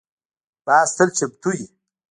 باز تل چمتو وي